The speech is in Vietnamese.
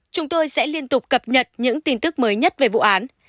chúng tôi sẽ liên tục cập nhật những tin tức mới nhất về vụ án